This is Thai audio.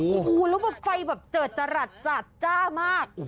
โอ้โหแล้วไฟแบบเจริจรัดจามาก